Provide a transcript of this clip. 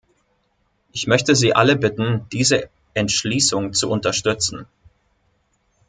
Ich möchte Sie alle bitten, diese Entschließung zu unterstützen.